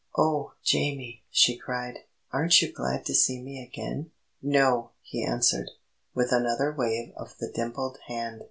"Oh, Jamie!" she cried; "aren't you glad to see me again?" "No!" he answered, with another wave of the dimpled hand.